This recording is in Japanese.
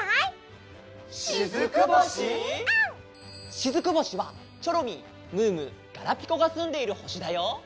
しずく星はチョロミームームーガラピコがすんでいる星だよ。